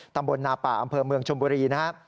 ตำบลนาป่าอำเภอเมืองชมบุรีนะครับ